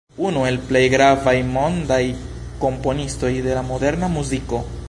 Unu el plej gravaj mondaj komponistoj de la moderna muziko.